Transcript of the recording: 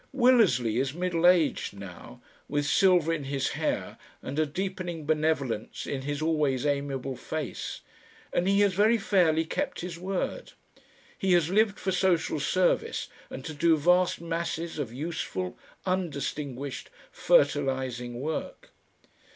Willersley is middle aged now, with silver in his hair and a deepening benevolence in his always amiable face, and he has very fairly kept his word. He has lived for social service and to do vast masses of useful, undistinguished, fertilising work.